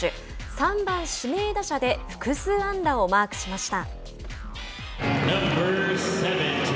３番、指名打者で複数安打をマークしました。